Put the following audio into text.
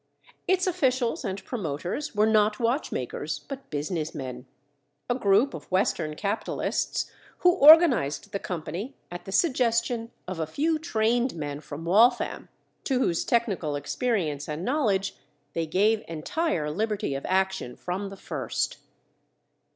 Its officials and promoters were not watchmakers but business men—a group of Western capitalists who organized the company at the suggestion of a few trained men from Waltham, to whose technical experience and knowledge they gave entire liberty of action from the first.